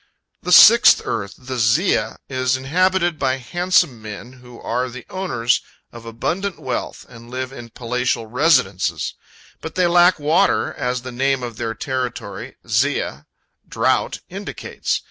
The sixth earth, the Ziah, is inhabited by handsome men, who are the owners of abundant wealth, and live in palatial residences, but they lack water, as the name of their territory, Ziah, "drought," indicates.